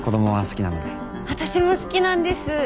私も好きなんです。